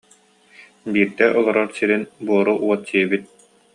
Биирдэ олорор сирин Буору уот сиэбит